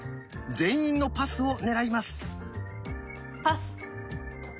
全員のパスを狙います。